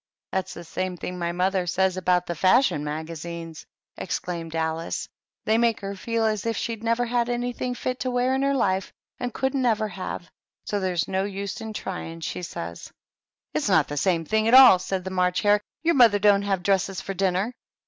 " That's the same thing my mother says about the fashion magazines !" exclaimed Alice. " They make her feel as if she'd never had anything fit to wear in her life, and couldn't ever have. So there's no use in trying, she says." "It's not the same thing, at all," said the March Hare. "Your mother don't have dresses for dinner."